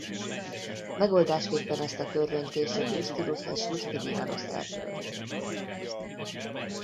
Megoldásképpen ezt a törvényt később Iusztinosz és Iusztinianosz eltörölték.